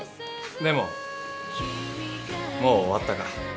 でももう終わったから。